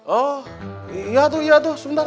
oh iya tuh iya tuh sebentar